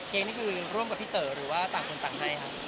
เก๊กนี้คือร่วมกับพี่เต๋อหรือว่าต่างคนต่างใครค่ะ